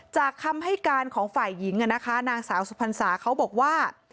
คำให้การของฝ่ายหญิงนางสาวสุพรรษาเขาบอกว่า